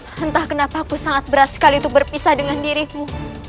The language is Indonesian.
aku tak tahu kenapa aku sangat berat sekali untuk berpisah dengan dirimu